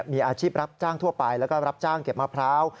มีอาชีพรับจ้างทั่วไปแล้วก็รับจ้างเก็บมะพร้าว